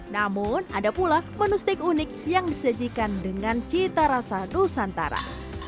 namun ada pulak menu steak unik yang disajikan dengan cita rasa dosantara